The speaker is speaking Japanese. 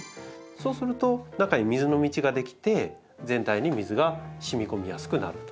そうすると中に水の道が出来て全体に水がしみ込みやすくなると。